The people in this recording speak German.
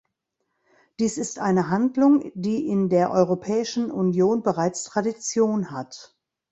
Dies ist eine Handlung, die in der Europäischen Union bereits Tradition hat.